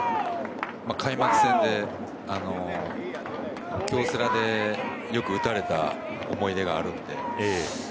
開幕戦で京セラでよく打たれた思い出があるので。